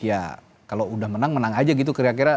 ya kalau udah menang menang aja gitu kira kira